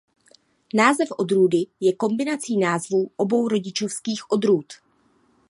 Název odrůdy je kombinací názvů obou rodičovských odrůd.